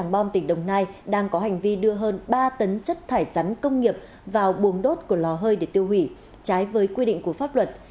bom tỉnh đồng nai đang có hành vi đưa hơn ba tấn chất thải rắn công nghiệp vào buồng đốt của lò hơi để tiêu hủy trái với quy định của pháp luật